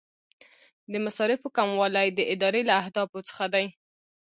د مصارفو کموالی د ادارې له اهدافو څخه دی.